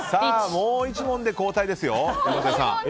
もう１問で交代ですよ山添さん。